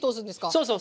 そうそう。